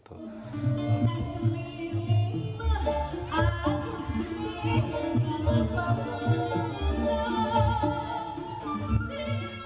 bapak pun tak boleh